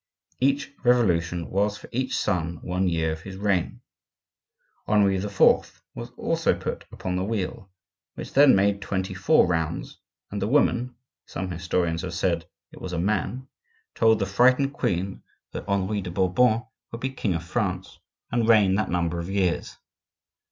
Each revolution was for each son one year of his reign. Henri IV. was also put upon the wheel, which then made twenty four rounds, and the woman (some historians have said it was a man) told the frightened queen that Henri de Bourbon would be king of France and reign that number of years.